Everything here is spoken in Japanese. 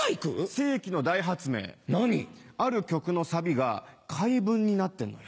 世紀の大発明ある曲のサビが回文になってるのよ。